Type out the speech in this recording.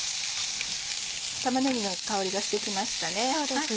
玉ねぎの香りがしてきましたね。